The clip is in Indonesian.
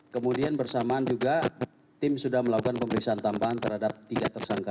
kemudian bersamaan juga tim sudah melakukan pemeriksaan tambahan terhadap tiga tersangka